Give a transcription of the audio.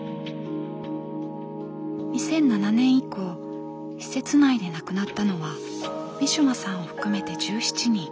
２００７年以降施設内で亡くなったのはウィシュマさんを含めて１７人。